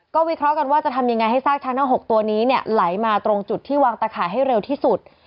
วิเคราะห์กันว่าจะทำยังไงให้ซากช้างทั้ง๖ตัวนี้เนี่ยไหลมาตรงจุดที่วางตะข่ายให้เร็วที่สุด